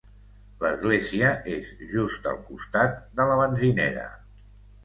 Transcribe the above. L'església és just al costat de la benzinera.